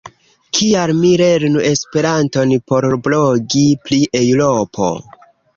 Kial mi lernu Esperanton por blogi pri Eŭropo?